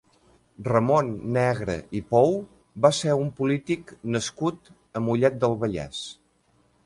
Ramon Negre i Pou va ser un polític nascut a Mollet del Vallès.